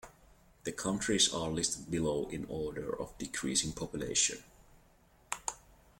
The counties are listed below in order of decreasing population.